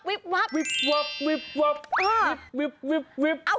วิปวับวิปวับ